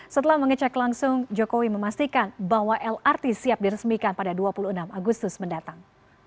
setelah mengecek langsung jokowi memastikan bahwa lrt siap diresmikan pada dua puluh enam agustus mendatang